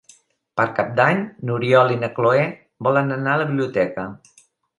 Per Cap d'Any n'Oriol i na Cloè volen anar a la biblioteca.